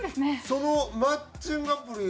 そのマッチングアプリ